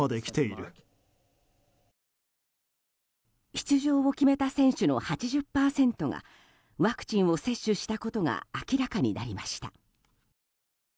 出場を決めた選手の８０％がワクチンを接種したことが明らかになりました。